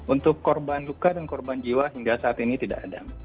untuk korban luka dan korban jiwa hingga saat ini tidak ada